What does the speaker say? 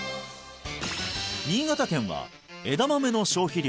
新潟県は枝豆の消費量